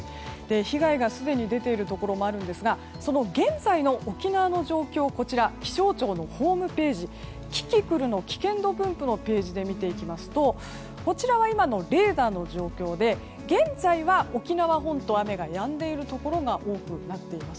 被害がすでに出ているところもあるんですがその現在の沖縄の状況を気象庁のホームページキキクルの危険度分布の情報を見てみますとこちらは今のレーダーの状況で現在は沖縄本島は雨がやんでいるところが多くなっています。